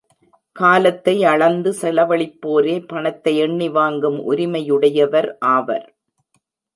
காலத்தை அளந்து செலவழிப்போரே பணத்தை எண்ணி வாங்கும் உரிமையுடையவர் ஆவர்.